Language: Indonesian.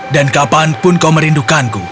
dan kapanpun kau merindukanku